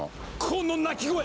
この鳴き声！